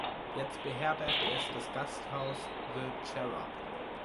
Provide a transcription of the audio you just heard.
Jetzt beherbergt es das Gasthaus "The Cherub".